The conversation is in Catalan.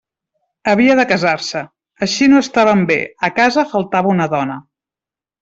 Havia de casar-se; així no estaven bé: a casa faltava una dona.